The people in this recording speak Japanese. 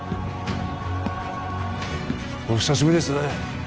お久しぶりですね